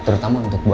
terutama untuk bapak